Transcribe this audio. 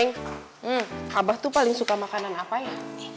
neng abah tuh paling suka makanan apanya